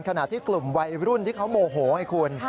ขณะที่กลุ่มวัยรุ่นที่เขาโมโหไอ้คุณ